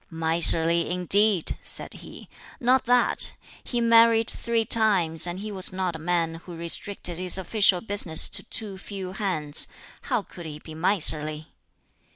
"Miserly, indeed!" said he; "not that: he married three rimes, and he was not a man who restricted his official business to too few hands how could he be miserly?"